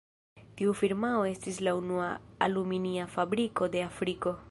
Tiu firmao estis la unua aluminia fabriko de Afriko.